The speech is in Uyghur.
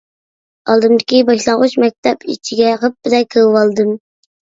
ئالدىمدىكى باشلانغۇچ مەكتەپ ئىچىگە غىپپىدە كىرىۋالدىم.